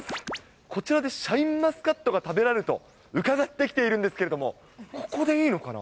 こちらでシャインマスカットが食べられると、伺って来ているんですけれども、ここでいいのかな？